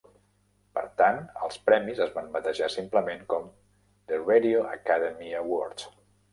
Per tant, els premis es van batejar simplement com "The Radio Academy Awards".